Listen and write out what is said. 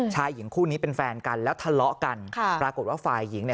ชายหญิงคู่นี้เป็นแฟนกันแล้วทะเลาะกันค่ะปรากฏว่าฝ่ายหญิงเนี่ย